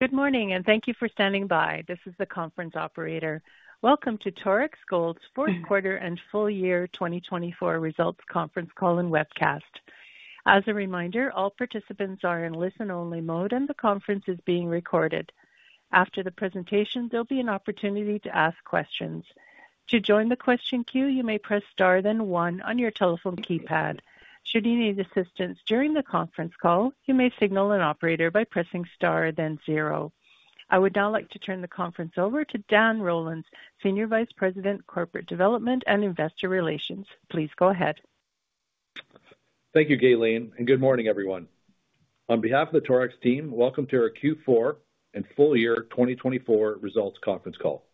Good morning, and thank you for standing by. This is the conference operator. Welcome to Torex Gold's Q4 and Full Year 2024 Results Conference Call and Webcast. As a reminder, all participants are in listen-only mode, and the conference is being recorded. After the presentation, there'll be an opportunity to ask questions. To join the question queue, you may press star then one on your telephone keypad. Should you need assistance during the conference call, you may signal an operator by pressing star then zero. I would now like to turn the conference over to Dan Rollins, Senior Vice President, Corporate Development and Investor Relations. Please go ahead. Thank you, Gaylene, and good morning, everyone. On behalf of the Torex team, welcome to our Q4 and full year 2024 results conference call.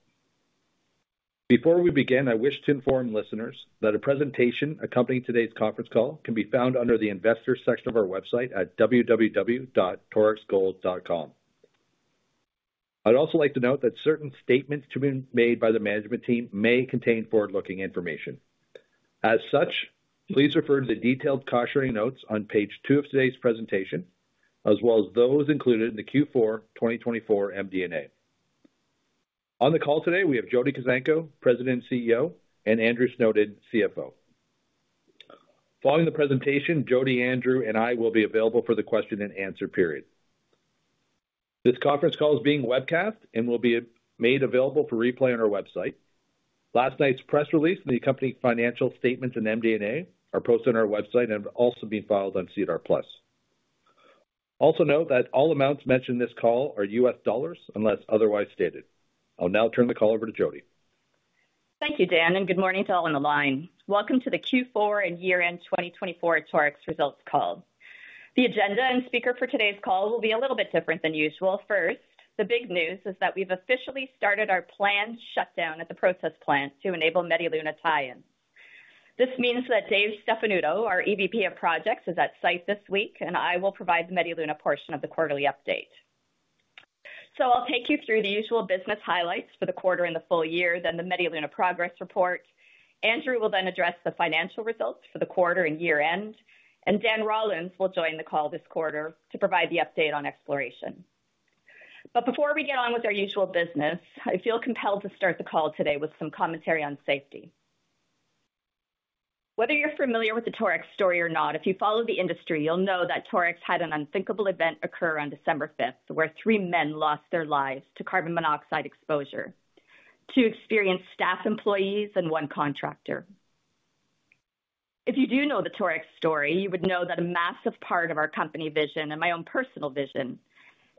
Before we begin, I wish to inform listeners that a presentation accompanying today's conference call can be found under the investor section of our website at www.torexgold.com. I'd also like to note that certain statements to be made by the management team may contain forward-looking information. As such, please refer to the detailed cautionary notes on page two of today's presentation, as well as those included in the Q4 2024 MD&A. On the call today, we have Jody Kuzenko, President and CEO, and Andrew Snowden, CFO. Following the presentation, Jody, Andrew, and I will be available for the Q&A period. This conference call is being webcast and will be made available for replay on our website. Last night's press release and the accompanying financial statements and MD&A are posted on our website and have also been filed on SEDAR+. Also note that all amounts mentioned in this call are U.S. dollars unless otherwise stated. I'll now turn the call over to Jody. Thank you, Dan, and good morning to all on the line. Welcome to the Q4 and year-end 2024 Torex results call. The agenda and speaker for today's call will be a little bit different than usual. First, the big news is that we've officially started our planned shutdown at the process plant to enable Media Luna tie-in. This means that Dave Stefanuto, our EVP of Projects, is at site this week, and I will provide the Media Luna portion of the quarterly update. So I'll take you through the usual business highlights for the quarter and the full year, then the Media Luna progress report. Andrew will then address the financial results for the quarter and year-end, and Dan Rollins will join the call this quarter to provide the update on exploration. But before we get on with our usual business, I feel compelled to start the call today with some commentary on safety. Whether you're familiar with the Torex story or not, if you follow the industry, you'll know that Torex had an unthinkable event occur on December 5th where three men lost their lives to carbon monoxide exposure: two experienced staff employees and one contractor. If you do know the Torex story, you would know that a massive part of our company vision, and my own personal vision,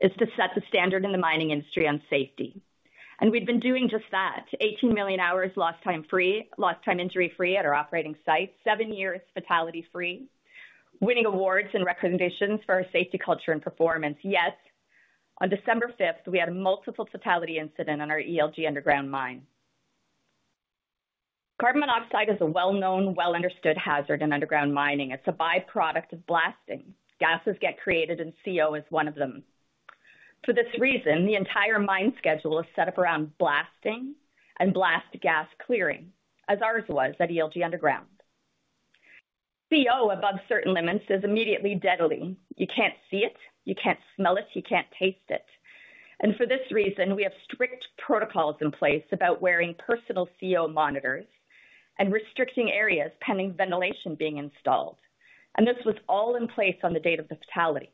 is to set the standard in the mining industry on safety, and we've been doing just that: 18 million hours lost time free, lost time injury free at our operating site, seven years fatality free, winning awards and recommendations for our safety culture and performance. Yet, on December 5th, we had a multiple fatality incident on our ELG Underground mine. Carbon monoxide is a well-known, well-understood hazard in underground mining. It's a byproduct of blasting. Gases get created, and CO is one of them. For this reason, the entire mine schedule is set up around blasting and blast gas clearing, as ours was at ELG Underground. CO above certain limits is immediately deadly. You can't see it, you can't smell it, you can't taste it, and for this reason, we have strict protocols in place about wearing personal CO monitors and restricting areas pending ventilation being installed, and this was all in place on the date of the fatality.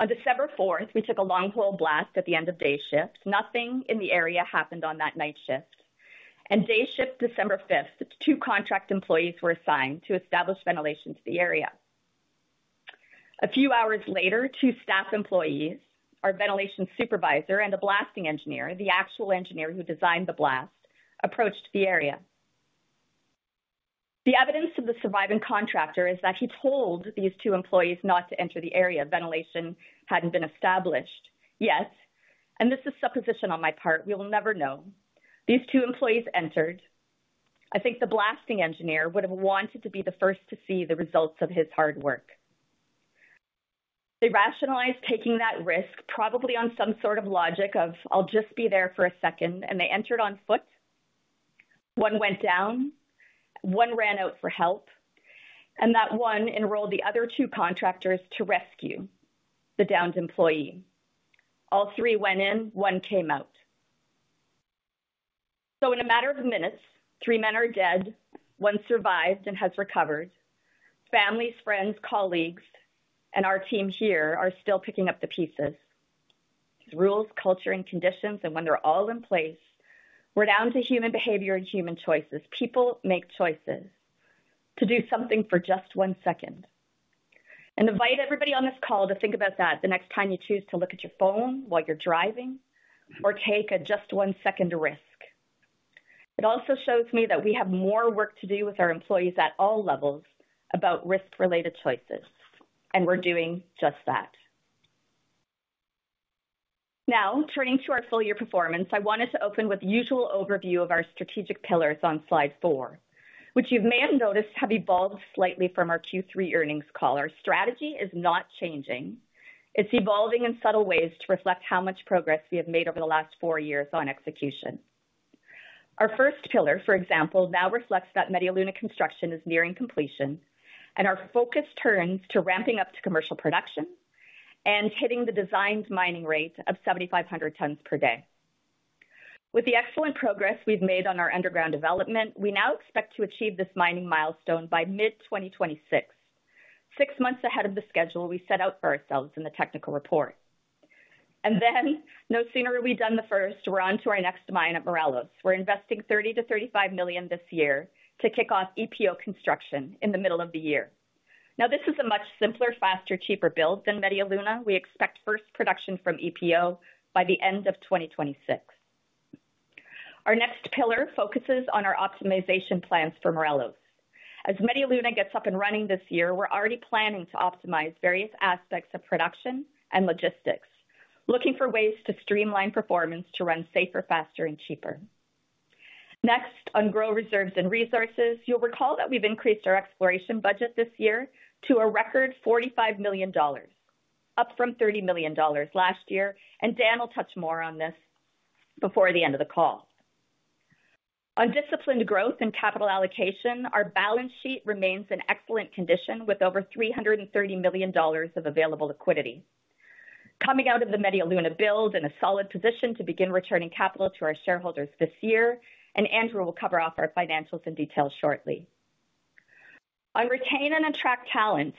On December 4th, we took a long-hole blast at the end of day shift. Nothing in the area happened on that night shift, and day shift December 5th, two contract employees were assigned to establish ventilation to the area. A few hours later, two staff employees, our ventilation supervisor and a blasting engineer, the actual engineer who designed the blast, approached the area. The evidence of the surviving contractor is that he told these two employees not to enter the area. Ventilation hadn't been established yet. And this is a supposition on my part. We will never know. These two employees entered. I think the blasting engineer would have wanted to be the first to see the results of his hard work. They rationalized taking that risk, probably on some sort of logic of, "I'll just be there for a second," and they entered on foot. One went down, one ran out for help, and that one enrolled the other two contractors to rescue the downed employee. All three went in, one came out. So in a matter of minutes, three men are dead, one survived and has recovered. Families, friends, colleagues, and our team here are still picking up the pieces. Rules, culture, and conditions, and when they're all in place, we're down to human behavior and human choices. People make choices to do something for just one second, and invite everybody on this call to think about that the next time you choose to look at your phone while you're driving or take a just-one-second risk. It also shows me that we have more work to do with our employees at all levels about risk-related choices, and we're doing just that. Now, turning to our full year performance, I wanted to open with the usual overview of our strategic pillars on slide four, which you may have noticed have evolved slightly from our Q3 earnings call. Our strategy is not changing. It's evolving in subtle ways to reflect how much progress we have made over the last four years on execution. Our first pillar, for example, now reflects that Media Luna construction is nearing completion, and our focus turns to ramping up to commercial production and hitting the designed mining rate of 7,500 tons per day. With the excellent progress we've made on our underground development, we now expect to achieve this mining milestone by mid-2026, six months ahead of the schedule we set out for ourselves in the technical report. And then, no sooner are we done the first, we're on to our next mine at Morelos. We're investing $30 to 35 million this year to kick off EPO construction in the middle of the year. Now, this is a much simpler, faster, cheaper build than Media Luna. We expect first production from EPO by the end of 2026. Our next pillar focuses on our optimization plans for Morelos. As Media Luna gets up and running this year, we're already planning to optimize various aspects of production and logistics, looking for ways to streamline performance to run safer, faster, and cheaper. Next, on growing reserves and resources, you'll recall that we've increased our exploration budget this year to a record $45 million, up from $30 million last year, and Dan will touch more on this before the end of the call. On disciplined growth and capital allocation, our balance sheet remains in excellent condition with over $330 million of available liquidity. Coming out of the Media Luna build in a solid position to begin returning capital to our shareholders this year, and Andrew will cover off our financials in detail shortly. On retaining and attracting talent,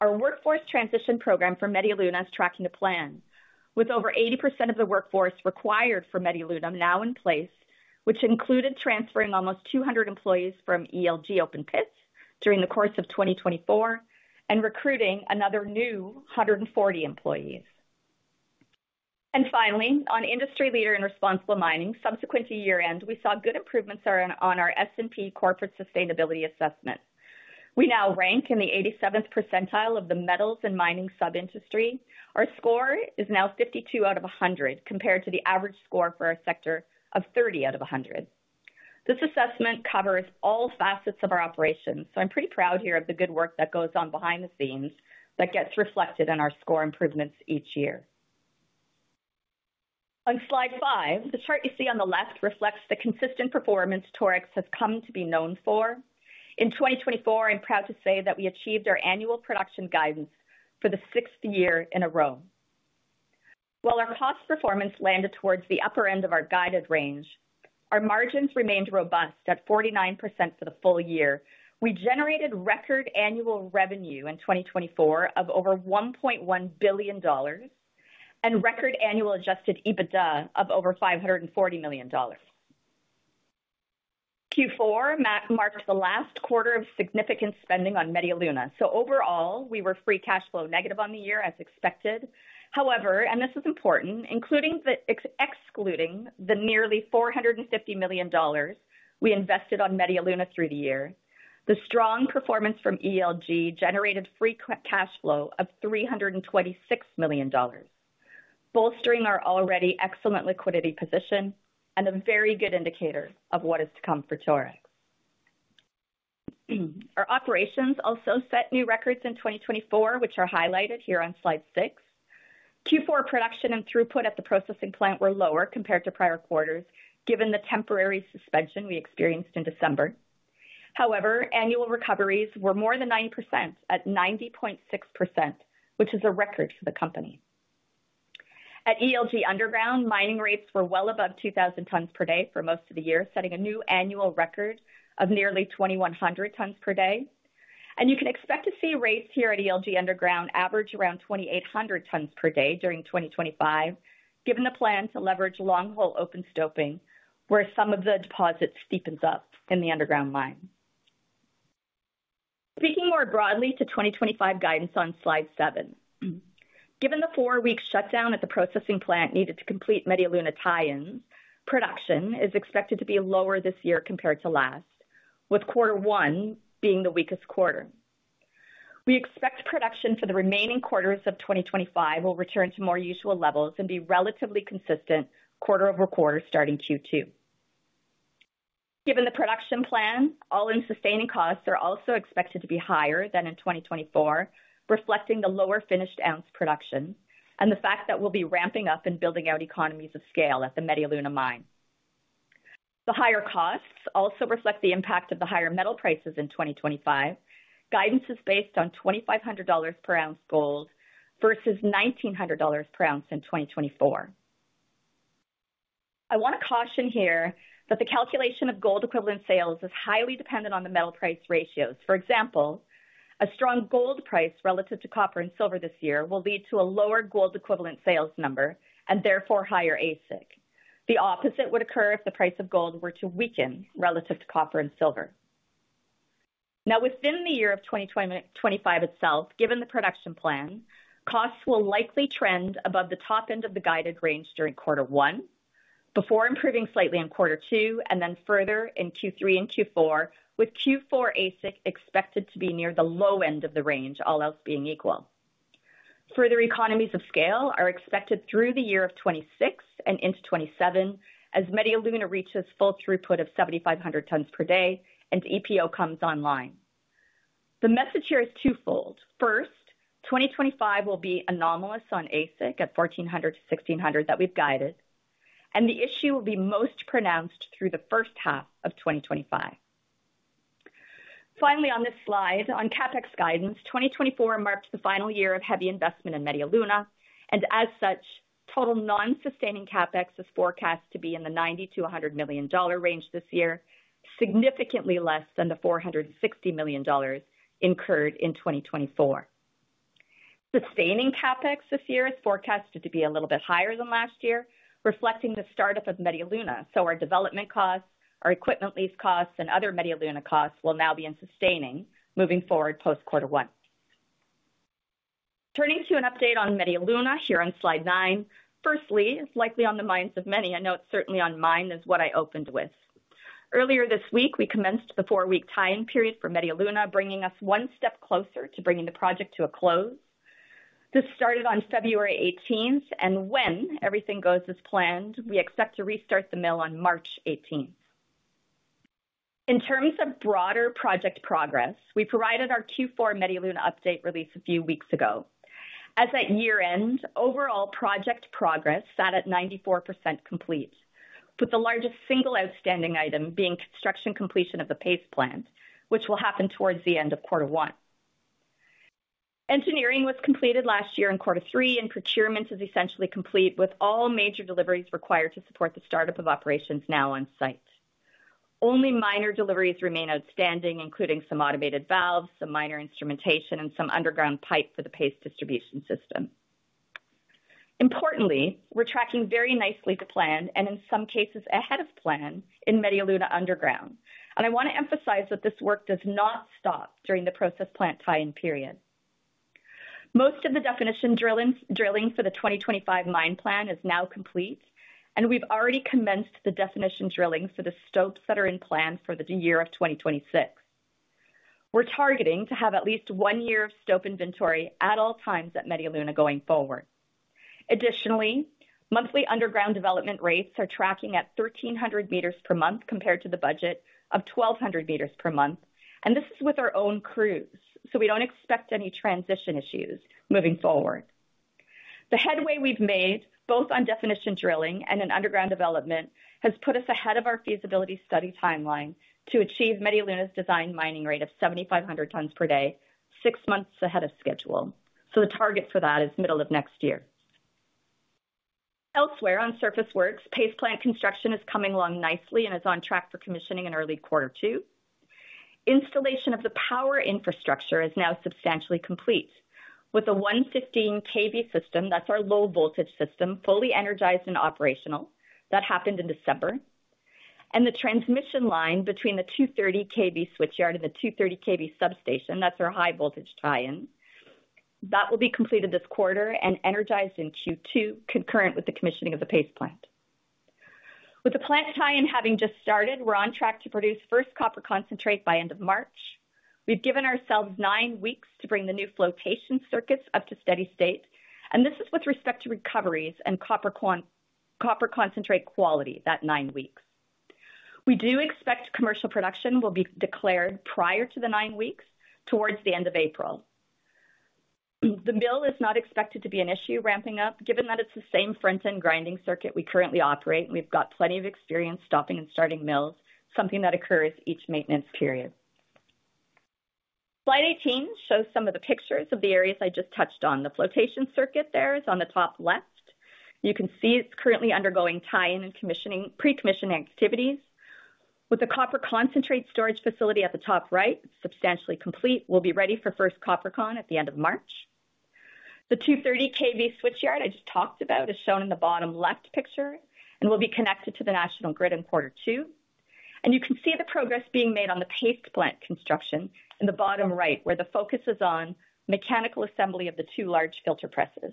our workforce transition program for Media Luna is tracking to plan with over 80% of the workforce required for Media Luna now in place, which included transferring almost 200 employees from ELG open pits during the course of 2024 and recruiting another 140 new employees. Finally, on industry leadership and responsible mining, subsequent to year-end, we saw good improvements on our S&P Corporate Sustainability Assessment. We now rank in the 87th percentile of the metals and mining sub-industry. Our score is now 52 out of 100, compared to the average score for our sector of 30 out of 100. This assessment covers all facets of our operations, so I'm pretty proud here of the good work that goes on behind the scenes that gets reflected in our score improvements each year. On slide five, the chart you see on the left reflects the consistent performance Torex has come to be known for. In 2024, I'm proud to say that we achieved our annual production guidance for the sixth year in a row. While our cost performance landed towards the upper end of our guided range, our margins remained robust at 49% for the full year. We generated record annual revenue in 2024 of over $1.1 billion and record annual Adjusted EBITDA of over $540 million. Q4 marked the last quarter of significant spending on Media Luna. So overall, we were free cash flow negative on the year as expected. However, and this is important, including excluding the nearly $450 million we invested on Media Luna through the year, the strong performance from ELG generated free cash flow of $326 million, bolstering our already excellent liquidity position and a very good indicator of what is to come for Torex. Our operations also set new records in 2024, which are highlighted here on slide six. Q4 production and throughput at the processing plant were lower compared to prior quarters, given the temporary suspension we experienced in December. However, annual recoveries were more than 9% at 90.6%, which is a record for the company. At ELG underground, mining rates were well above 2,000 tons per day for most of the year, setting a new annual record of nearly 2,100 tons per day. And you can expect to see rates here at ELG Underground average around 2,800 tons per day during 2025, given the plan to leverage long-hole open stoping, where some of the deposit steepens up in the underground mine. Speaking more broadly to 2025 guidance on slide seven, given the four-week shutdown at the processing plant needed to complete Media Luna tie-ins, production is expected to be lower this year compared to last, with quarter one being the weakest quarter. We expect production for the remaining quarters of 2025 will return to more usual levels and be relatively consistent quarter over quarter starting Q2. Given the production plan, All-in Sustaining Costs are also expected to be higher than in 2024, reflecting the lower finished ounce production and the fact that we'll be ramping up and building out economies of scale at the Media Luna mine. The higher costs also reflect the impact of the higher metal prices in 2025. Guidance is based on $2,500 per ounce gold versus $1,900 per ounce in 2024. I want to caution here that the calculation of gold equivalent sales is highly dependent on the metal price ratios. For example, a strong gold price relative to copper and silver this year will lead to a lower gold equivalent sales number and therefore higher AISC. The opposite would occur if the price of gold were to weaken relative to copper and silver. Now, within the year of 2025 itself, given the production plan, costs will likely trend above the top end of the guided range during quarter one before improving slightly in quarter two and then further in Q3 and Q4, with Q4 AISC expected to be near the low end of the range, all else being equal. Further economies of scale are expected through the year of 2026 and into 2027 as Media Luna reaches full throughput of 7,500 tons per day and EPO comes online. The message here is twofold. First, 2025 will be anomalous on AISC at $1,400 to 1,600 million that we've guided, and the issue will be most pronounced through the first half of 2025. Finally, on this slide, on CapEx guidance, 2024 marked the final year of heavy investment in Media Luna, and as such, total non-sustaining CapEx is forecast to be in the $90 to 100 million range this year, significantly less than the $460 million incurred in 2024. Sustaining CapEx this year is forecasted to be a little bit higher than last year, reflecting the startup of Media Luna. So our development costs, our equipment lease costs, and other Media Luna costs will now be in sustaining moving forward post quarter one. Turning to an update on Media Luna here on slide nine, firstly, it's likely on the minds of many. I know it's certainly on mine is what I opened with. Earlier this week, we commenced the four-week tie-in period for Media Luna, bringing us one step closer to bringing the project to a close. This started on February 18th, and when everything goes as planned, we expect to restart the mill on March 18th. In terms of broader project progress, we provided our Q4 Media Luna update release a few weeks ago. As at year-end, overall project progress sat at 94% complete, with the largest single outstanding item being construction completion of the paste plant, which will happen towards the end of Q1. Engineering was completed last year in Q3, and procurement is essentially complete with all major deliveries required to support the startup of operations now on site. Only minor deliveries remain outstanding, including some automated valves, some minor instrumentation, and some underground pipe for the paste distribution system. Importantly, we're tracking very nicely to plan and in some cases ahead of plan in Media Luna Underground. I want to emphasize that this work does not stop during the process plant tie-in period. Most of the definition drilling for the 2025 mine plan is now complete, and we've already commenced the definition drilling for the stopes that are in plan for the year of 2026. We're targeting to have at least one year of stope inventory at all times at Media Luna going forward. Additionally, monthly underground development rates are tracking at 1,300 meters per month compared to the budget of 1,200 meters per month, and this is with our own crews, so we don't expect any transition issues moving forward. The headway we've made, both on definition drilling and in underground development, has put us ahead of our feasibility study timeline to achieve Media Luna's design mining rate of 7,500 tons per day, six months ahead of schedule. So the target for that is middle of next year. Elsewhere on surface works, paste plant construction is coming along nicely and is on track for commissioning in early Q2. Installation of the power infrastructure is now substantially complete with a 115 kV system. That's our low voltage system fully energized and operational. That happened in December. And the transmission line between the 230 kV switchyard and the 230 kV substation, that's our high voltage tie-in, that will be completed this quarter and energized in Q2, concurrent with the commissioning of the paste plant. With the plant tie-in having just started, we're on track to produce first copper concentrate by end of March. We've given ourselves nine weeks to bring the new flotation circuits up to steady state, and this is with respect to recoveries and copper concentrate quality, that nine weeks. We do expect commercial production will be declared prior to the nine weeks towards the end of April. The mill is not expected to be an issue ramping up, given that it's the same front-end grinding circuit we currently operate. We've got plenty of experience stopping and starting mills, something that occurs each maintenance period. Slide 18 shows some of the pictures of the areas I just touched on. The flotation circuit there is on the top left. You can see it's currently undergoing tie-in and pre-commission activities. With the copper concentrate storage facility at the top right, it's substantially complete. We'll be ready for first copper con at the end of March. The 230 kV switchyard I just talked about is shown in the bottom left picture and will be connected to the national grid in Q2. And you can see the progress being made on the paste plant construction in the bottom right, where the focus is on mechanical assembly of the two large filter presses.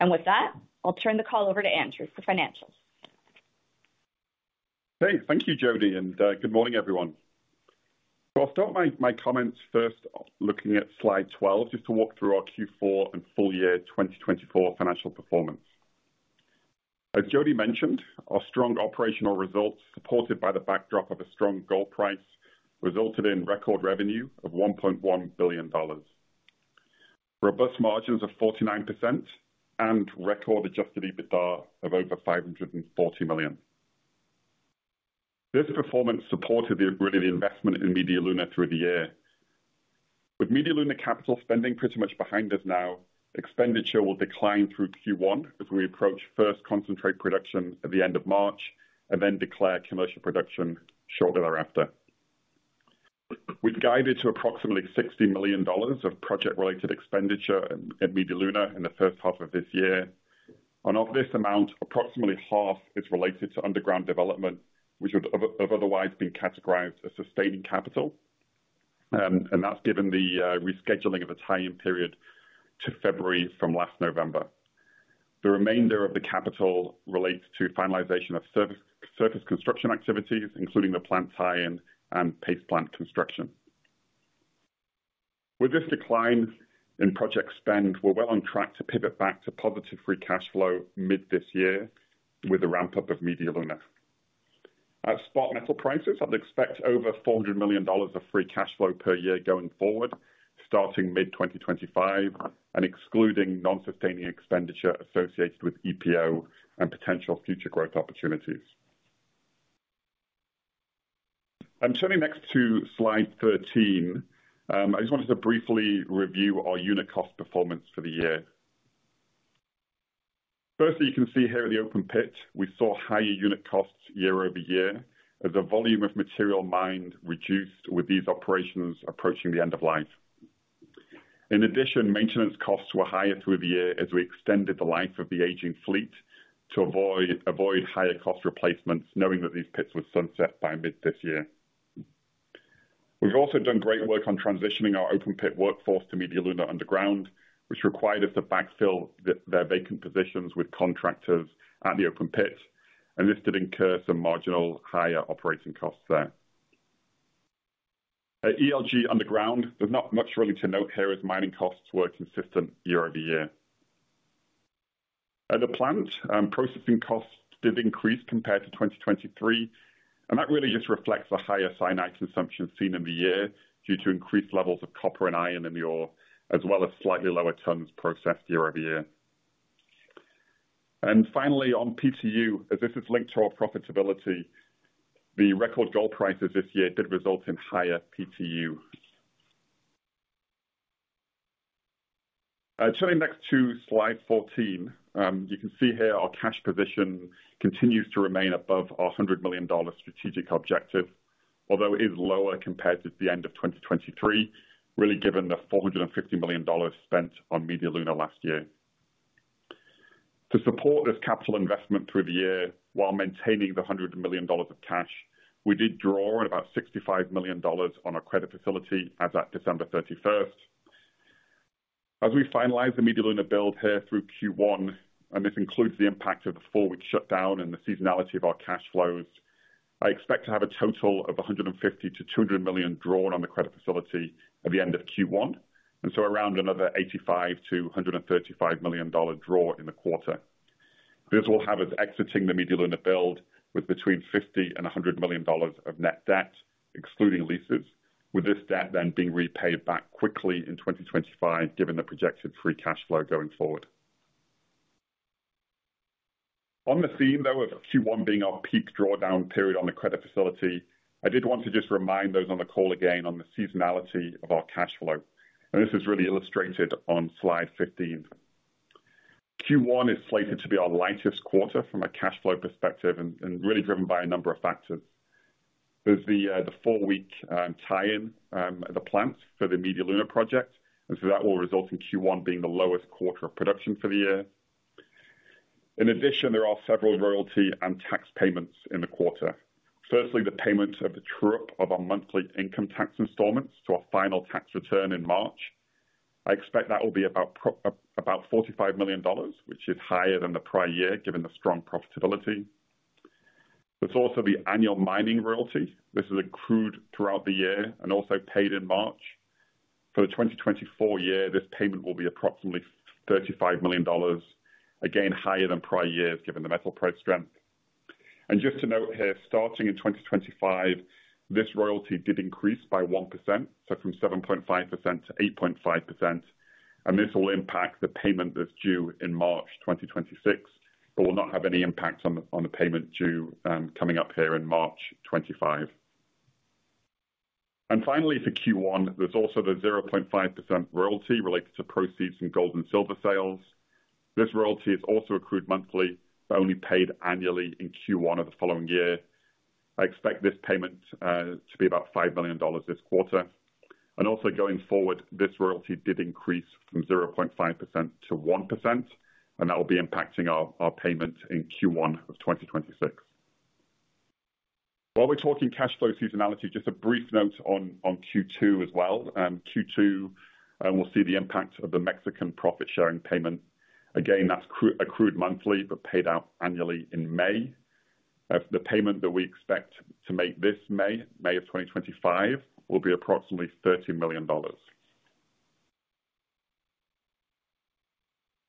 And with that, I'll turn the call over to Andrew for financials. Great. Thank you, Jody, and good morning, everyone. So I'll start my comments first looking at slide 12 just to walk through our Q4 and full year 2024 financial performance. As Jody mentioned, our strong operational results, supported by the backdrop of a strong gold price, resulted in record revenue of $1.1 billion, robust margins of 49%, and record Adjusted EBITDA of over $540 million. This performance supported the agreed investment in Media Luna through the year. With Media Luna capital spending pretty much behind us now, expenditure will decline through Q1 as we approach first concentrate production at the end of March and then declare commercial production shortly thereafter. We've guided to approximately $60 million of project-related expenditure at Media Luna in the first half of this year. On this amount, approximately half is related to underground development, which would have otherwise been categorized as sustaining capital. That's given the rescheduling of the tie-in period to February from last November. The remainder of the capital relates to finalization of surface construction activities, including the plant tie-in and paste plant construction. With this decline in project spend, we're well on track to pivot back to positive free cash flow mid this year with the ramp-up of Media Luna. At spot metal prices, I'd expect over $400 million of free cash flow per year going forward, starting mid 2025, and excluding non-sustaining expenditure associated with EPO and potential future growth opportunities. I'm turning next to slide 13. I just wanted to briefly review our unit cost performance for the year. First, you can see here at the open pit, we saw higher unit costs year over year as the volume of material mined reduced with these operations approaching the end of life. In addition, maintenance costs were higher through the year as we extended the life of the aging fleet to avoid higher cost replacements, knowing that these pits would sunset by mid this year. We've also done great work on transitioning our open pit workforce to Media Luna underground, which required us to backfill their vacant positions with contractors at the open pit, and this did incur some marginal higher operating costs there. At ELG underground, there's not much really to note here as mining costs were consistent year over year. At the plant, processing costs did increase compared to 2023, and that really just reflects the higher cyanide consumption seen in the year due to increased levels of copper and iron in the ore, as well as slightly lower tons processed year over year. And finally, on PTU, as this is linked to our profitability, the record gold prices this year did result in higher PTU. Turning next to slide 14, you can see here our cash position continues to remain above our $100 million strategic objective, although it is lower compared to the end of 2023, really given the $450 million spent on Media Luna last year. To support this capital investment through the year while maintaining the $100 million of cash, we did draw in about $65 million on our credit facility as at December 31st. As we finalize the Media Luna build here through Q1, and this includes the impact of the four-week shutdown and the seasonality of our cash flows, I expect to have a total of $150 to 200 million drawn on the credit facility at the end of Q1, and so around another $85 to 135 million draw in the quarter. This will have us exiting the Media Luna build with between $50 and $100 million of net debt, excluding leases, with this debt then being repaid back quickly in 2025, given the projected free cash flow going forward. On the theme, though, of Q1 being our peak drawdown period on the credit facility, I did want to just remind those on the call again on the seasonality of our cash flow. This is really illustrated on slide 15. Q1 is slated to be our lightest quarter from a cash flow perspective and really driven by a number of factors. There's the four-week tie-in at the plant for the Media Luna project, and so that will result in Q1 being the lowest quarter of production for the year. In addition, there are several royalty and tax payments in the quarter. Firstly, the payment of the true-up of our monthly income tax installments to our final tax return in March. I expect that will be about $45 million, which is higher than the prior year given the strong profitability. There's also the annual mining royalty. This is accrued throughout the year and also paid in March. For the 2024 year, this payment will be approximately $35 million, again higher than prior years given the metal price strength. And just to note here, starting in 2025, this royalty did increase by 1%, so from 7.5% to 8.5%, and this will impact the payment that's due in March 2026, but will not have any impact on the payment due coming up here in March 2025. And finally, for Q1, there's also the 0.5% royalty related to proceeds from gold and silver sales. This royalty is also accrued monthly, but only paid annually in Q1 of the following year. I expect this payment to be about $5 million this quarter, and also going forward, this royalty did increase from 0.5% to 1%, and that will be impacting our payment in Q1 of 2026. While we're talking cash flow seasonality, just a brief note on Q2 as well. Q2, we'll see the impact of the Mexican profit sharing payment. Again, that's accrued monthly, but paid out annually in May. The payment that we expect to make this May, May of 2025, will be approximately $30 million.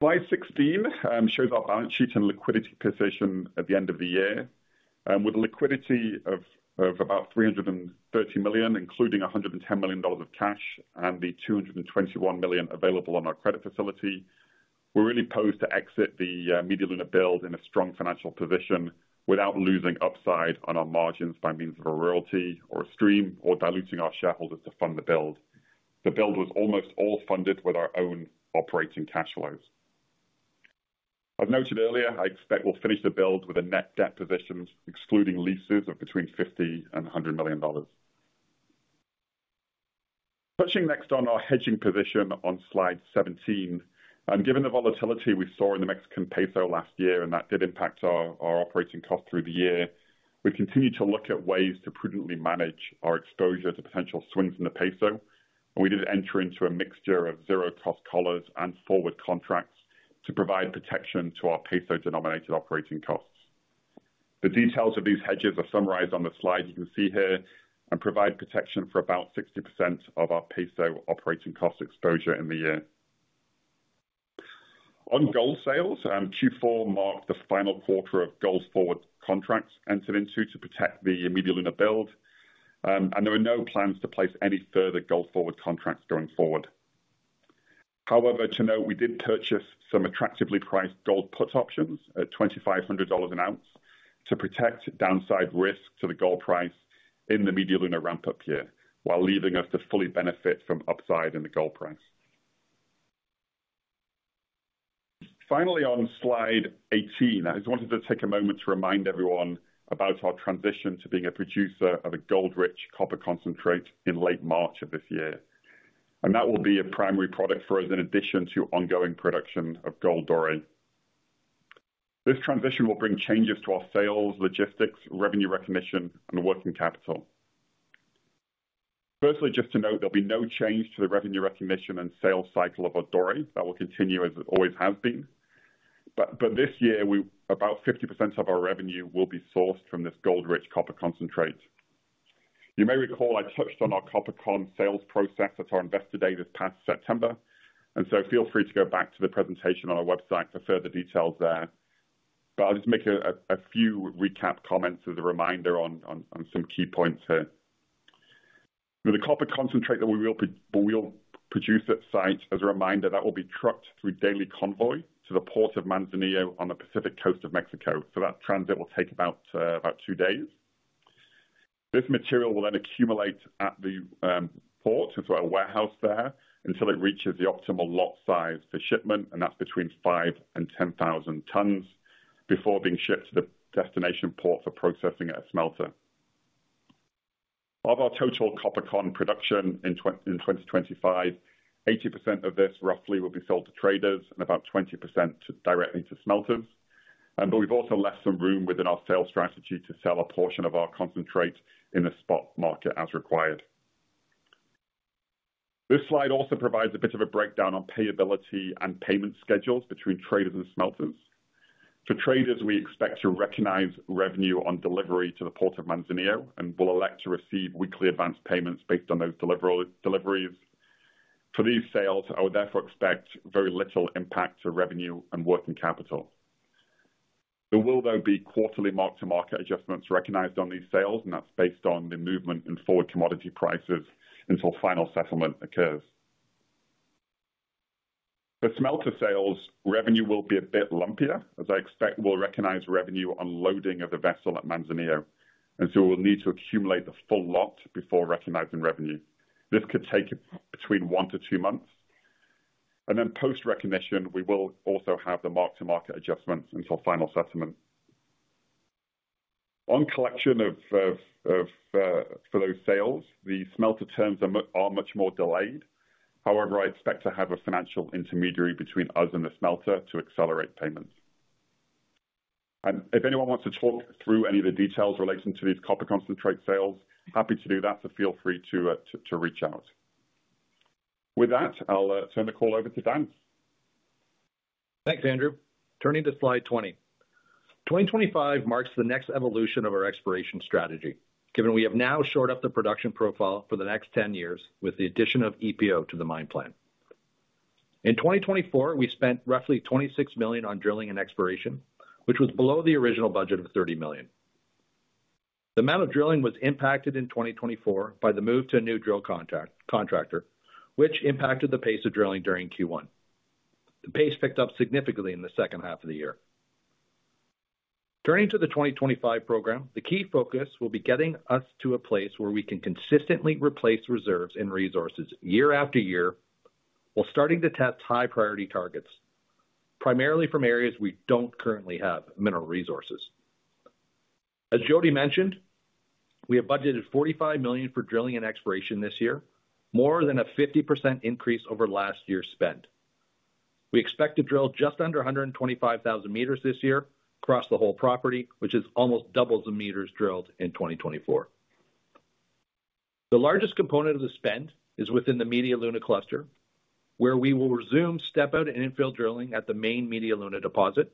Slide 16 shows our balance sheet and liquidity position at the end of the year. With a liquidity of about $330 million, including $110 million of cash and the $221 million available on our credit facility, we're really posed to exit the Media Luna build in a strong financial position without losing upside on our margins by means of a royalty or a stream or diluting our shareholders to fund the build. The build was almost all funded with our own operating cash flows. As noted earlier, I expect we'll finish the build with a net debt position, excluding leases of between $50 and $100 million. Touching next on our hedging position on slide 17, and given the volatility we saw in the Mexican peso last year, and that did impact our operating cost through the year, we've continued to look at ways to prudently manage our exposure to potential swings in the peso. We did enter into a mixture of zero-cost collars and forward contracts to provide protection to our peso-denominated operating costs. The details of these hedges are summarized on the slide you can see here and provide protection for about 60% of our peso operating cost exposure in the year. On gold sales, Q4 marked the final quarter of gold forward contracts entered into to protect the Media Luna build, and there were no plans to place any further gold forward contracts going forward. However, to note, we did purchase some attractively priced gold put options at $2,500 an ounce to protect downside risk to the gold price in the Media Luna ramp-up year while leaving us to fully benefit from upside in the gold price. Finally, on slide 18, I just wanted to take a moment to remind everyone about our transition to being a producer of a gold-rich copper concentrate in late March of this year, and that will be a primary product for us in addition to ongoing production of gold doré. This transition will bring changes to our sales, logistics, revenue recognition, and working capital. Firstly, just to note, there'll be no change to the revenue recognition and sales cycle of our doré. That will continue as it always has been, but this year, about 50% of our revenue will be sourced from this gold-rich copper concentrate. You may recall I touched on our copper con sales process at our investor day this past September, and so feel free to go back to the presentation on our website for further details there. But I'll just make a few recap comments as a reminder on some key points here. The copper concentrate that we will produce at site, as a reminder, that will be trucked through daily convoy to the Port of Manzanillo on the Pacific coast of Mexico. So that transit will take about two days. This material will then accumulate at the port, so our warehouse there, until it reaches the optimal lot size for shipment, and that's between 5,000 and 10,000 tons before being shipped to the destination port for processing at a smelter. Of our total copper con production in 2025, 80% of this roughly will be sold to traders and about 20% directly to smelters. But we've also left some room within our sales strategy to sell a portion of our concentrate in the spot market as required. This slide also provides a bit of a breakdown on payability and payment schedules between traders and smelters. For traders, we expect to recognize revenue on delivery to the Port of Manzanillo and will elect to receive weekly advance payments based on those deliveries. For these sales, I would therefore expect very little impact to revenue and working capital. There will, though, be quarterly mark-to-market adjustments recognized on these sales, and that's based on the movement in forward commodity prices until final settlement occurs. For smelter sales, revenue will be a bit lumpier, as I expect we'll recognize revenue on loading of the vessel at Manzanillo, and so we'll need to accumulate the full lot before recognizing revenue. This could take between one to two months, and then post-recognition, we will also have the mark-to-market adjustments until final settlement. On collection for those sales, the smelter terms are much more delayed. However, I expect to have a financial intermediary between us and the smelter to accelerate payments, and if anyone wants to talk through any of the details relating to these copper concentrate sales, happy to do that, so feel free to reach out. With that, I'll turn the call over to Dan. Thanks, Andrew. Turning to slide 20. 2025 marks the next evolution of our exploration strategy, given we have now shored up the production profile for the next 10 years with the addition of EPO to the mine plan. In 2024, we spent roughly $26 million on drilling and exploration, which was below the original budget of $30 million. The amount of drilling was impacted in 2024 by the move to a new drill contractor, which impacted the pace of drilling during Q1. The pace picked up significantly in the second half of the year. Turning to the 2025 program, the key focus will be getting us to a place where we can consistently replace reserves and resources year after year while starting to test high-priority targets, primarily from areas we don't currently have mineral resources. As Jody mentioned, we have budgeted $45 million for drilling and exploration this year, more than a 50% increase over last year's spend. We expect to drill just under 125,000 meters this year across the whole property, which is almost double the meters drilled in 2024. The largest component of the spend is within the Media Luna cluster, where we will resume step-out and infill drilling at the main Media Luna deposit,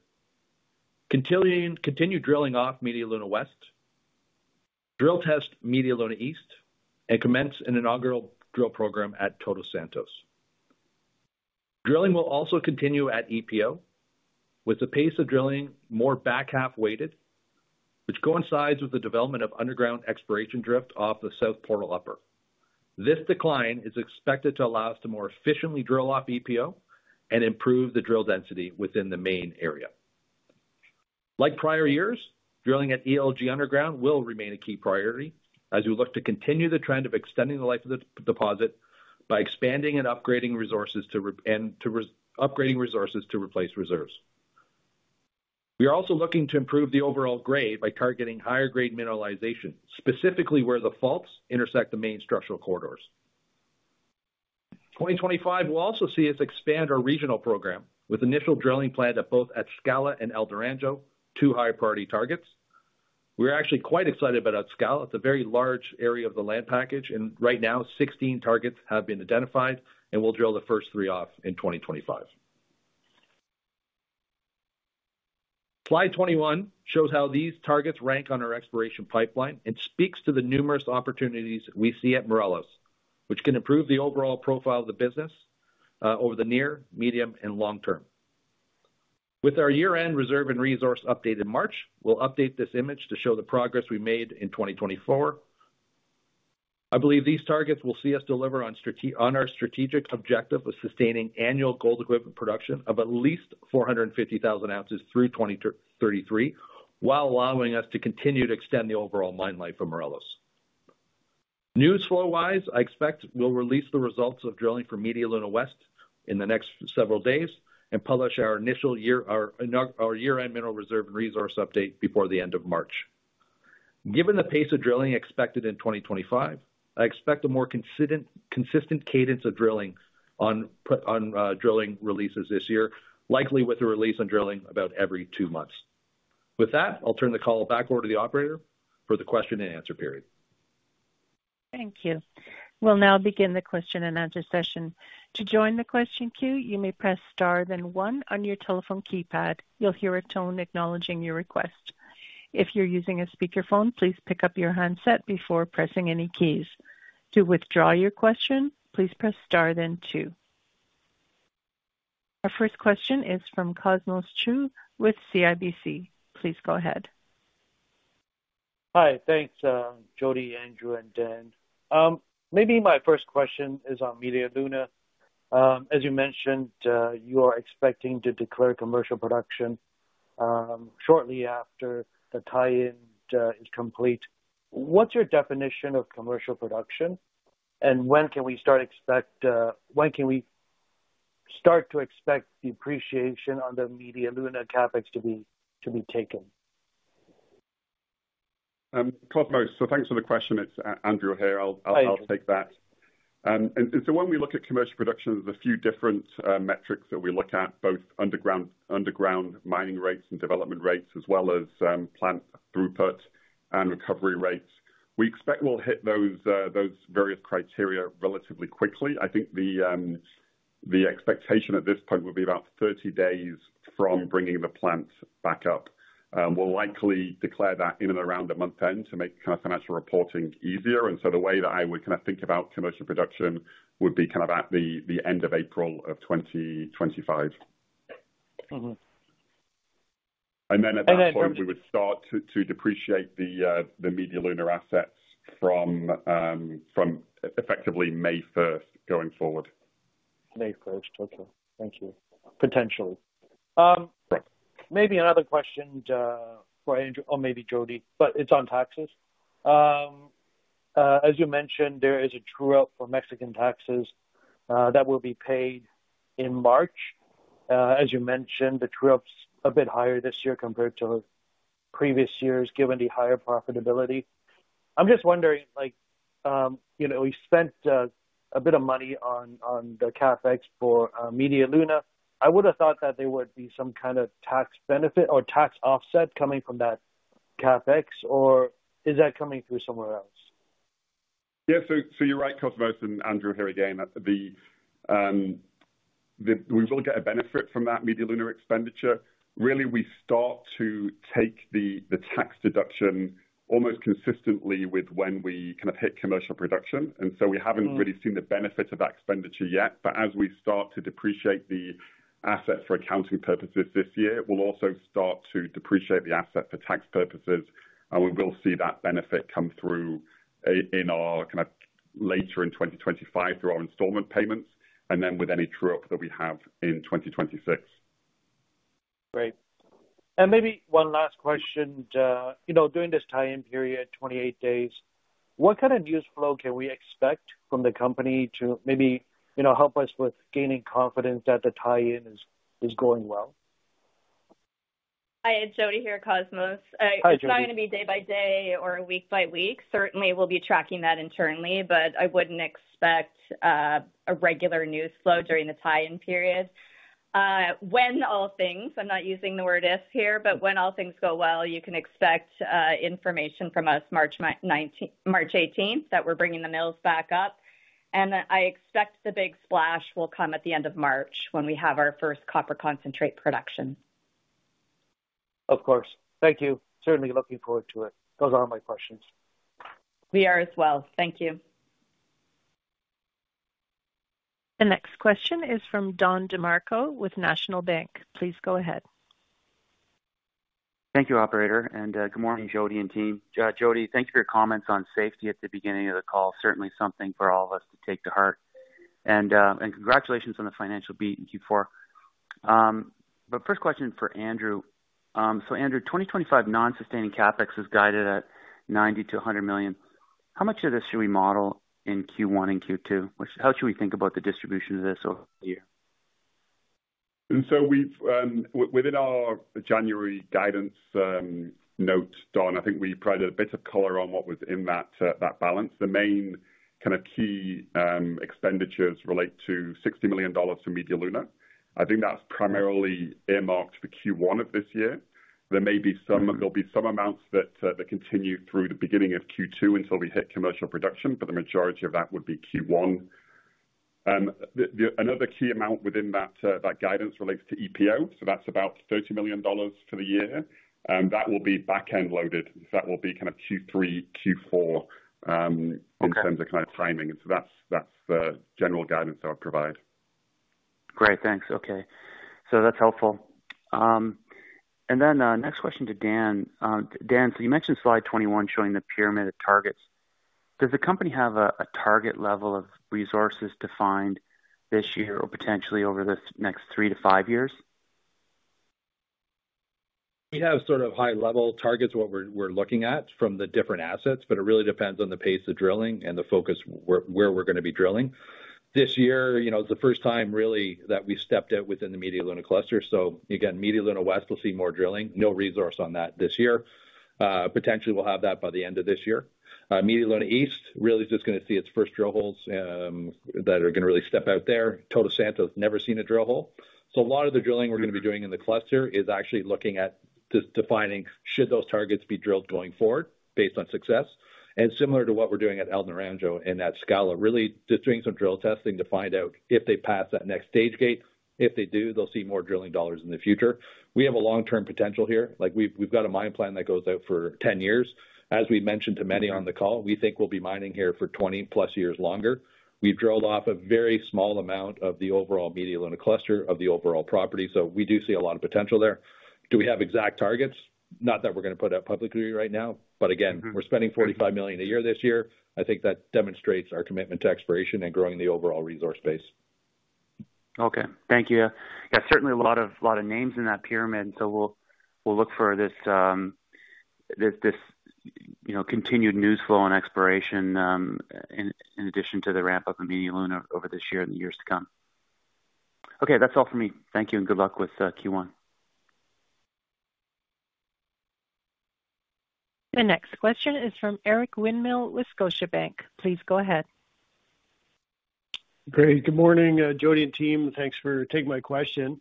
continue drilling off Media Luna West, drill test Media Luna East, and commence an inaugural drill program at Todos Santos. Drilling will also continue at EPO, with the pace of drilling more back-half weighted, which coincides with the development of underground exploration drift off the South Portal Upper. This decline is expected to allow us to more efficiently drill off EPO and improve the drill density within the main area. Like prior years, drilling at ELG underground will remain a key priority as we look to continue the trend of extending the life of the deposit by expanding and upgrading resources to replace reserves. We are also looking to improve the overall grade by targeting higher-grade mineralization, specifically where the faults intersect the main structural corridors. 2025 will also see us expand our regional program with initial drilling planned at both Atzcala and El Naranjo, two high-priority targets. We're actually quite excited about Atzcala. It's a very large area of the land package, and right now, 16 targets have been identified, and we'll drill the first three of in 2025. Slide 21 shows how these targets rank on our exploration pipeline and speaks to the numerous opportunities we see at Morelos, which can improve the overall profile of the business over the near, medium, and long term. With our year-end reserve and resource update in March, we'll update this image to show the progress we made in 2024. I believe these targets will see us deliver on our strategic objective of sustaining annual gold equivalent production of at least 450,000 ounces through 2033, while allowing us to continue to extend the overall mine life for Morelos. News flow-wise, I expect we'll release the results of drilling for Media Luna West in the next several days and publish our year-end mineral reserve and resource update before the end of March. Given the pace of drilling expected in 2025, I expect a more consistent cadence of drilling on drilling releases this year, likely with a release on drilling about every two months. With that, I'll turn the call back over to the operator for the Q&A period. Thank you. We'll now begin the Q&A session. To join the question queue, you may press star then one on your telephone keypad. You'll hear a tone acknowledging your request. If you're using a speakerphone, please pick up your handset before pressing any keys. To withdraw your question, please press star then two. Our first question is from Cosmos Chiu with CIBC. Please go ahead. Hi, thanks, Jody, Andrew, and Dan. Maybe my first question is on Media Luna. As you mentioned, you are expecting to declare commercial production shortly after the tie-in is complete. What's your definition of commercial production, and when can we start to expect the depreciation on the Media Luna CapEx to be taken? Cosmos, so thanks for the question. It's Andrew here. I'll take that. And so when we look at commercial production, there's a few different metrics that we look at, both underground mining rates and development rates, as well as plant throughput and recovery rates. We expect we'll hit those various criteria relatively quickly. I think the expectation at this point will be about 30 days from bringing the plant back up. We'll likely declare that in and around the month end to make kind of financial reporting easier. And so the way that I would kind of think about commercial production would be kind of at the end of April of 2025. And then at that point, we would start to depreciate the Media Luna assets from effectively May 1st going forward. May 1st. Okay. Thank you. Potentially. Maybe another question for Andrew or maybe Jody, but it's on taxes. As you mentioned, there is a true-up for Mexican taxes that will be paid in March. As you mentioned, the true-up's a bit higher this year compared to previous years given the higher profitability. I'm just wondering, we spent a bit of money on the CapEx for Media Luna. I would have thought that there would be some kind of tax benefit or tax offset coming from that CapEx, or is that coming through somewhere else? Yeah, so you're right, Cosmos and Andrew here again. We will get a benefit from that Media Luna expenditure. Really, we start to take the tax deduction almost consistently with when we kind of hit commercial production. And so we haven't really seen the benefit of that expenditure yet. But as we start to depreciate the asset for accounting purposes this year, we'll also start to depreciate the asset for tax purposes. And we will see that benefit come through in our kind of later in 2025 through our installment payments and then with any true-up that we have in 2026. Great. And maybe one last question. During this tie-in period, 28 days, what kind of news flow can we expect from the company to maybe help us with gaining confidence that the tie-in is going well? Hi, it's Jody here, Cosmos. It's not going to be day by day or week by week. Certainly, we'll be tracking that internally, but I wouldn't expect a regular news flow during the tie-in period. When all things, I'm not using the word if here, but when all things go well, you can expect information from us March 18th that we're bringing the mills back up. And I expect the big splash will come at the end of March when we have our first copper concentrate production. Of course. Thank you. Certainly looking forward to it. Those are my questions. We are as well. Thank you. The next question is from Don DeMarco with National Bank Financial. Please go ahead. Thank you, operator. And good morning, Jody and team. Jody, thank you for your comments on safety at the beginning of the call. Certainly something for all of us to take to heart. And congratulations on the financial beat in Q4. But first question for Andrew. So, Andrew, 2025 non-sustaining CapEx is guided at $90 to 100 million. How much of this should we model in Q1 and Q2? How should we think about the distribution of this over the year? And so within our January guidance note, Don, I think we provided a bit of color on what was in that balance. The main kind of key expenditures relate to $60 million for Media Luna. I think that's primarily earmarked for Q1 of this year. There may be some. There'll be some amounts that continue through the beginning of Q2 until we hit commercial production, but the majority of that would be Q1. Another key amount within that guidance relates to EPO. So that's about $30 million for the year. That will be back-end loaded. That will be kind of Q3, Q4 in terms of kind of timing. And so that's the general guidance I'll provide. Great. Thanks. Okay. So that's helpful, and then next question to Dan. Dan, so you mentioned slide 21 showing the pyramid of targets. Does the company have a target level of resources defined this year or potentially over the next three to five years? We have sort of high-level targets of what we're looking at from the different assets, but it really depends on the pace of drilling and the focus where we're going to be drilling. This year, it's the first time really that we stepped out within the Media Luna cluster. So again, Media Luna West will see more drilling. No resource on that this year. Potentially, we'll have that by the end of this year. Media Luna East really is just going to see its first drill holes that are going to really step out there. Todos Santos has never seen a drill hole. So a lot of the drilling we're going to be doing in the cluster is actually looking at just defining should those targets be drilled going forward based on success. And similar to what we're doing at El Naranjo and at Atzcala, really just doing some drill testing to find out if they pass that next stage gate. If they do, they'll see more drilling dollars in the future. We have a long-term potential here. We've got a mine plan that goes out for 10 years. As we mentioned to many on the call, we think we'll be mining here for 20-plus years longer. We've drilled off a very small amount of the overall Media Luna cluster of the overall property, so we do see a lot of potential there. Do we have exact targets? Not that we're going to put out publicly right now, but again, we're spending $45 million a year this year. I think that demonstrates our commitment to exploration and growing the overall resource base. Okay. Thank you. Yeah, certainly a lot of names in that pyramid, so we'll look for this continued news flow and exploration in addition to the ramp-up of Media Luna over this year and the years to come. Okay, that's all for me. Thank you and good luck with Q1. The next question is from Eric Winmill, Scotiabank. Please go ahead. Great. Good morning, Jody and team. Thanks for taking my question.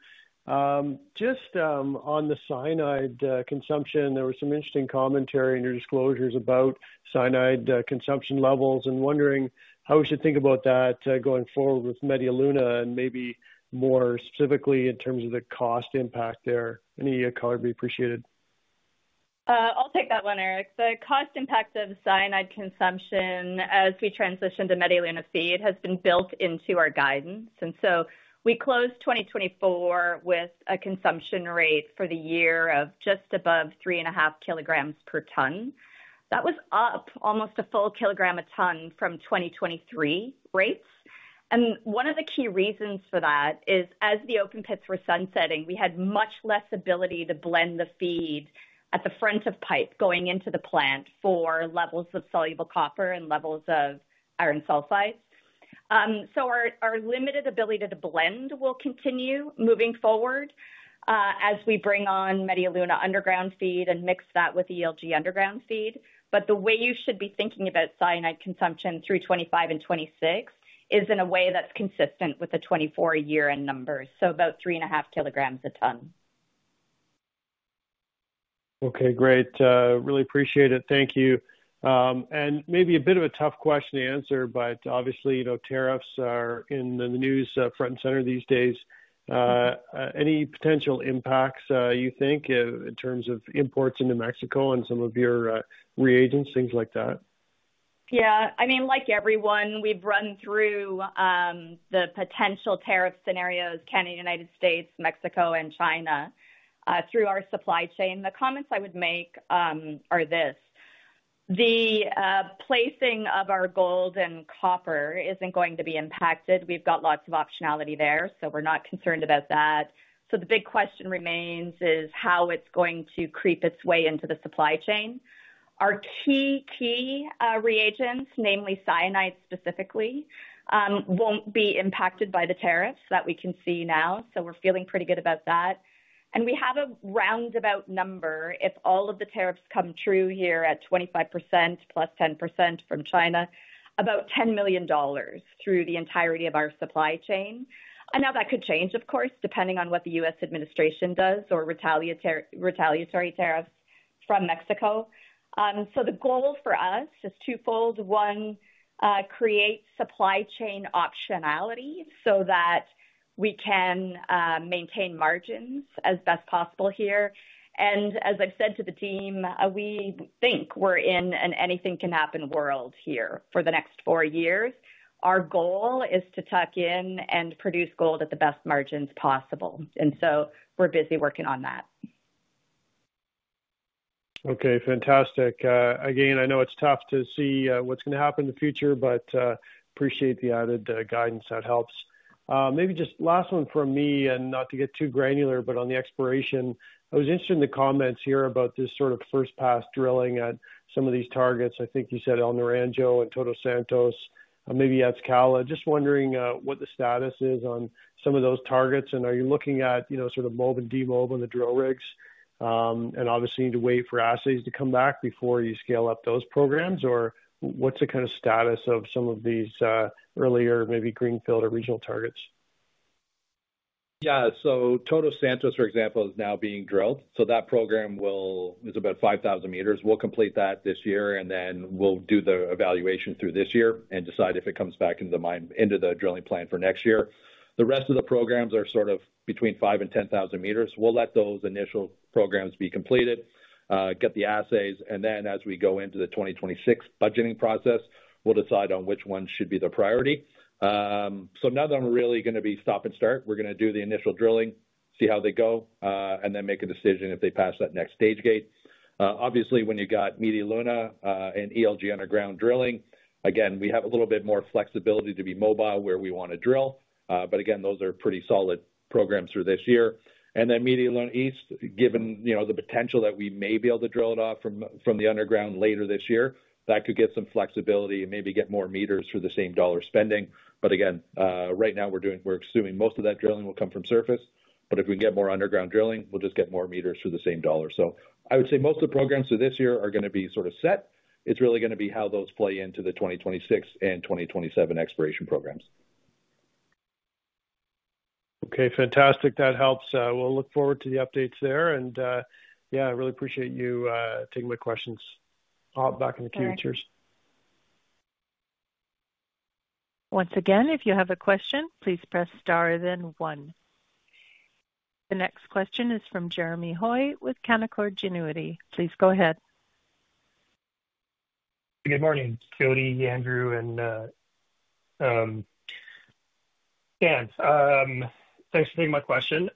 Just on the cyanide consumption, there was some interesting commentary in your disclosures about cyanide consumption levels and wondering how we should think about that going forward with Media Luna and maybe more specifically in terms of the cost impact there. Any color would be appreciated. I'll take that one, Eric. The cost impact of cyanide consumption as we transition to Media Luna feed has been built into our guidance, and so we closed 2024 with a consumption rate for the year of just above 3.5 kilograms per ton. That was up almost a full kilogram a ton from 2023 rates, and one of the key reasons for that is as the open pits were sunsetting, we had much less ability to blend the feed at the front of pipe going into the plant for levels of soluble copper and levels of iron sulfides, so our limited ability to blend will continue moving forward as we bring on Media Luna underground feed and mix that with ELG underground feed. But the way you should be thinking about cyanide consumption through 2025 and 2026 is in a way that's consistent with the 2024 year-end numbers, so about 3.5 kilograms a ton. Okay, great. Really appreciate it. Thank you. And maybe a bit of a tough question to answer, but obviously, tariffs are in the news front and center these days. Any potential impacts you think in terms of imports into Mexico and some of your reagents, things like that? Yeah. I mean, like everyone, we've run through the potential tariff scenarios, Canada, United States, Mexico, and China, through our supply chain. The comments I would make are this: the placing of our gold and copper isn't going to be impacted. We've got lots of optionality there, so we're not concerned about that. So the big question remains is how it's going to creep its way into the supply chain. Our key reagents, namely cyanide specifically, won't be impacted by the tariffs that we can see now. So we're feeling pretty good about that. And we have a roundabout number if all of the tariffs come true here at 25% plus 10% from China, about $10 million through the entirety of our supply chain. And now that could change, of course, depending on what the U.S. administration does or retaliatory tariffs from Mexico. So the goal for us is twofold. One, create supply chain optionality so that we can maintain margins as best possible here. And as I've said to the team, we think we're in an anything-can-happen world here for the next four years. Our goal is to tuck in and produce gold at the best margins possible. And so we're busy working on that. Okay, fantastic. Again, I know it's tough to see what's going to happen in the future, but appreciate the added guidance that helps. Maybe just last one from me and not to get too granular, but on the exploration, I was interested in the comments here about this sort of first-pass drilling at some of these targets. I think you said El Naranjo, Todos Santos, maybe Atzcala. Just wondering what the status is on some of those targets, and are you looking at sort of mob and demob on the drill rigs? And obviously, you need to wait for assays to come back before you scale up those programs, or what's the kind of status of some of these earlier maybe Greenfield or regional targets? Yeah, so Todos Santos, for example, is now being drilled. So that program is about 5,000 meters. We'll complete that this year, and then we'll do the evaluation through this year and decide if it comes back into the drilling plan for next year. The rest of the programs are sort of between 5,000 and 10,000 meters. We'll let those initial programs be completed, get the assays, and then as we go into the 2026 budgeting process, we'll decide on which ones should be the priority. So now that I'm really going to be stop and start, we're going to do the initial drilling, see how they go, and then make a decision if they pass that next stage gate. Obviously, when you got Media Luna and ELG underground drilling, again, we have a little bit more flexibility to be mobile where we want to drill. But again, those are pretty solid programs through this year. And then Media Luna East, given the potential that we may be able to drill it off from the underground later this year, that could get some flexibility and maybe get more meters for the same dollar spending. But again, right now, we're assuming most of that drilling will come from surface. But if we can get more underground drilling, we'll just get more meters for the same dollar. So I would say most of the programs for this year are going to be sort of set. It's really going to be how those play into the 2026 and 2027 exploration programs. Okay, fantastic. That helps. We'll look forward to the updates there. And yeah, I really appreciate you taking my questions. I'll hop back in the queue. Cheers. Once again, if you have a question, please press star then one. The next question is from Jeremy Hoy with Canaccord Genuity. Please go ahead. Good morning, Jody, Andrew, and Dan. Thanks for taking my question.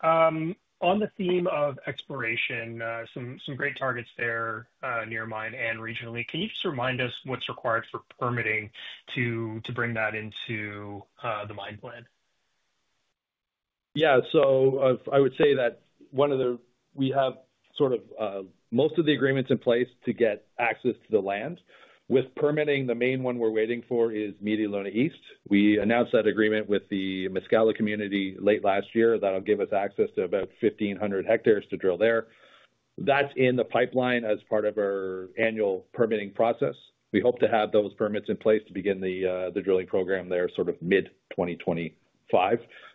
On the theme of exploration, some great targets there near mine and regionally. Can you just remind us what's required for permitting to bring that into the mine plan? Yeah. So I would say that one of the—we have sort of most of the agreements in place to get access to the land. With permitting, the main one we're waiting for is Media Luna East. We announced that agreement with the Mezcala community late last year that'll give us access to about 1,500 hectares to drill there. That's in the pipeline as part of our annual permitting process. We hope to have those permits in place to begin the drilling program there sort of mid-2025.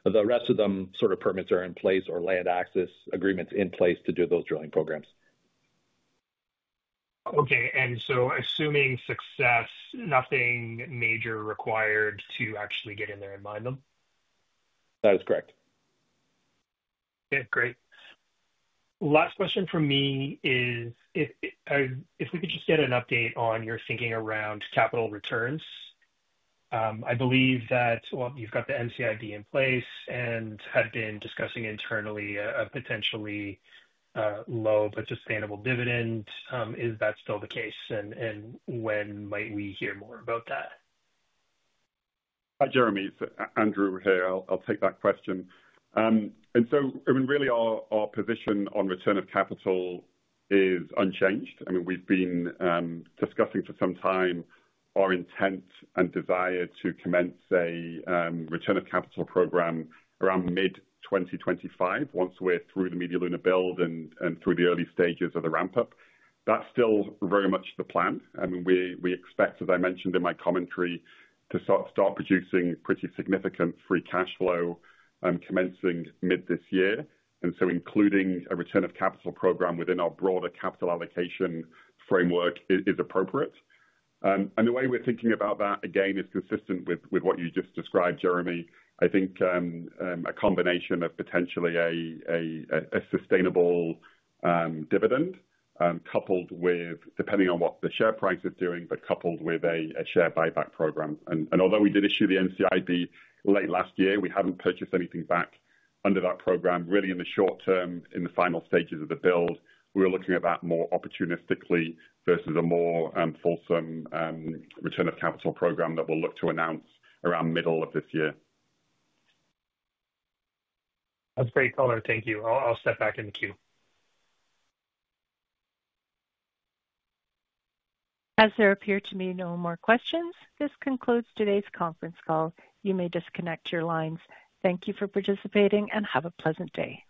The rest of them sort of permits are in place or land access agreements in place to do those drilling programs. Okay. And so assuming success, nothing major required to actually get in there and mine them? That is correct. Okay. Great. Last question for me is if we could just get an update on your thinking around capital returns. I believe that, well, you've got the NCIB in place and had been discussing internally a potentially low but sustainable dividend. Is that still the case? And when might we hear more about that? Hi, Jeremy. So Andrew here. I'll take that question. And so I mean, really, our position on return of capital is unchanged. I mean, we've been discussing for some time our intent and desire to commence a return of capital program around mid-2025 once we're through the Media Luna build and through the early stages of the ramp-up. That's still very much the plan. I mean, we expect, as I mentioned in my commentary, to start producing pretty significant free cash flow and commencing mid this year. So including a return of capital program within our broader capital allocation framework is appropriate. The way we're thinking about that, again, is consistent with what you just described, Jeremy. I think a combination of potentially a sustainable dividend coupled with, depending on what the share price is doing, but coupled with a share buyback program. Although we did issue the NCIB late last year, we haven't purchased anything back under that program. Really, in the short term, in the final stages of the build, we were looking at that more opportunistically versus a more fulsome return of capital program that we'll look to announce around middle of this year. That's great color. Thank you. I'll step back in the queue. As there appear to be no more questions, this concludes today's conference call. You may disconnect your lines. Thank you for participating and have a pleasant day.